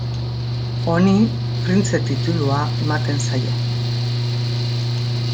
Honi printze titulua ematen zaio.